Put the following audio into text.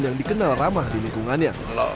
yang dikenal ramah di lingkungannya